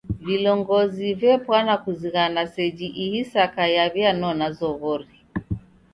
Vilongozi vepwana kuzighana seji ihi saka yaw'ianona zoghori.